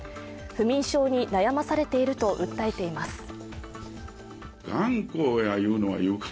不眠症に悩まされていると訴えています。